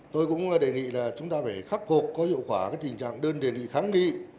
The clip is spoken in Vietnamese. tôi cũng đề nghị là chúng ta phải khắc phục có hiệu quả cái tình trạng đơn đề nghị kháng nghi